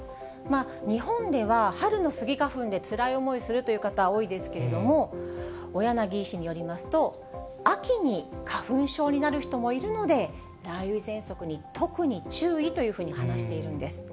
日本では春のスギ花粉でつらい思いするという方、多いですけれども、小柳医師によりますと、秋に花粉症になる人もいるので、雷雨ぜんそくに特に注意というふうに話しているんです。